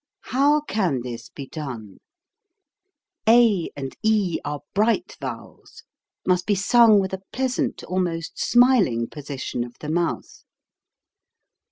How can this be done ? A and e are bright vowels, must be sung with a pleasant, almost smiling, position of the mouth.